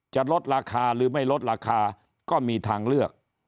จะลดราคาหรือไม่ลดราคาก็มีทางเลือก